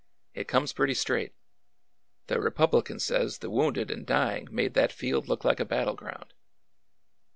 It comes pretty straight. The ^ Republican ' says the wounded and dying made that field look like a battle ground."